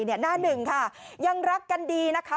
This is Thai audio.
หน้าหนึ่งค่ะยังรักกันดีนะคะ